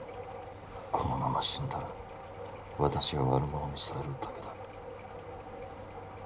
このまま死んだら私が悪者にされるだけだ。